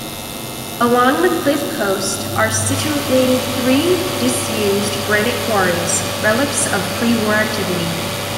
Along the cliff coast are situated three disused granite quarries, relics of pre-war activity.